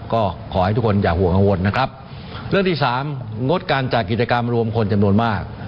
ก็ขอให้ทุกคนอย่าห่วง๑๙๕๙เรื่องที่๓งดการจากกิจกรรมรวมคนจำนวนมาก